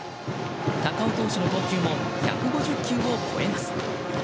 高尾投手の投球も１５０球を超えます。